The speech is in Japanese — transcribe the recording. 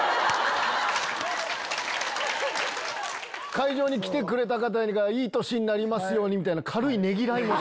「会場に来てくれた方がいい年になりますように」みたいな。